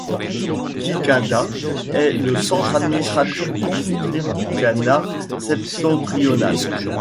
Kikinda est le centre administratif du district du Banat septentrional.